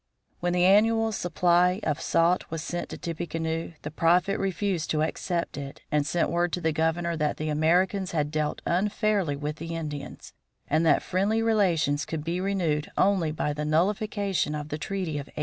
When the annual supply of salt was sent to Tippecanoe, the Prophet refused to accept it, and sent word to the Governor that the Americans had dealt unfairly with the Indians, and that friendly relations could be renewed only by the nullification of the treaty of 1809.